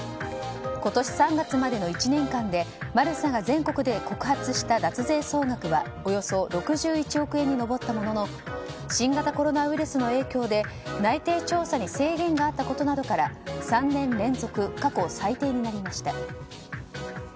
今年３月までの１年間でマルサが全国で告発した脱税総額はおよそ６１億円に上ったものの新型コロナウイルスの影響で内定調査に制限があったことなどから３年連続過去最低になりました。